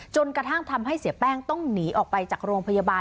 จนกระทั่งทำให้เสียแป้งต้องหนีออกไปจากโรงพยาบาล